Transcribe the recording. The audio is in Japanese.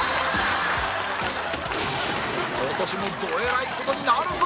今年もどえらい事になるぞ！